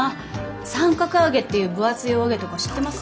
三角揚げっていう分厚いお揚げとか知ってます？